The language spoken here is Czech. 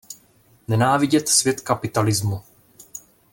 Nenávidět svět kapitalismu.